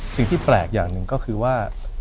สิ่งที่แปลกอย่างหนึ่งก็คือว่า